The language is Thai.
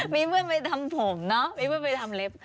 มีเพื่อนไปทำผมเนอะมีเพื่อนไปทำเล็บ